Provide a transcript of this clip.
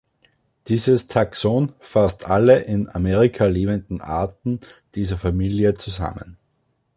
Dieses Taxon fasst alle in Amerika lebenden Arten dieser Familie zusammen.